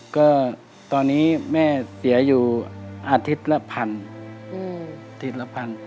ก็ตอนนี้แม่เสียอยู่อาทิตย์ละ๑๐๐๐บาท